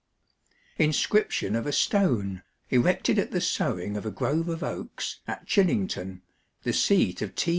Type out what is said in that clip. INSCRIPTION FOR A STONE ERECTED AT THE SOWING OF A GROVE OF OAKS AT CHILLINGTON, THE SEAT OF T.